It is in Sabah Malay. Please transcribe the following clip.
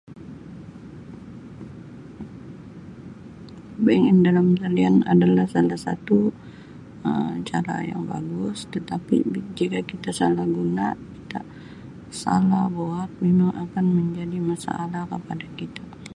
Bankin dalam talian adalah salah satu Um cara yang bagus tetapi bila kita salah guna kita salah buat mimang akan menjadi masalah kepada kita.